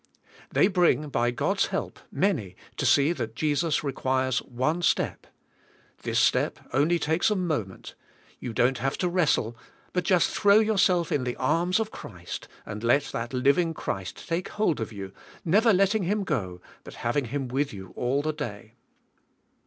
They bring, by God's help, many to see that Jesus requires one step. This step only takes a moment. You don't have to wrestle, but just throw yourself in the arms of Christ and let that living Christ take hold of you, never letting Him go but having Him with you all the day.